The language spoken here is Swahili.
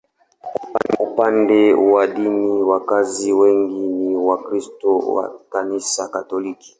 Upande wa dini, wakazi wengi ni Wakristo wa Kanisa Katoliki.